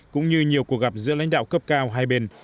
cũng như nhiều cuộc gặp giữa lãnh đạo cấp cao hai bên